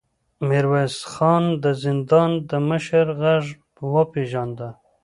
ميرويس خان د زندان د مشر غږ وپېژاند.